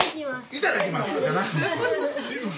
いただきます。